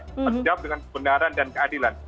harus dijawab dengan kebenaran dan keadilan